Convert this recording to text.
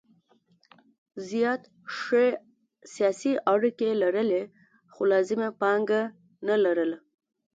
زیات ښې سیاسي اړیکې لرلې خو لازمه پانګه نه لرله.